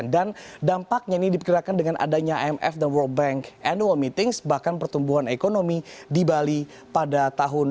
dan dampaknya ini dipikirkan dengan adanya imf dan world bank annual meeting bahkan pertumbuhan ekonomi di bali pada tahun dua ribu delapan belas ini